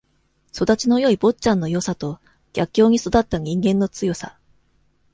育ちのよい坊ちゃんのよさと、逆境に育った人間の強さ。